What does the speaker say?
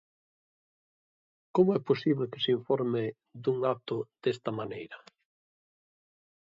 Como é posíbel que se informe dun acto desta maneira?